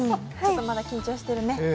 まだ緊張してるね。